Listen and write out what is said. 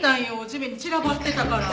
地面に散らばってたから。